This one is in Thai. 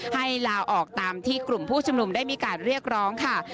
ให้ลาออกตามที่กลุ่มผู้ชุมนุมได้มีการเรียกร้องค่ะ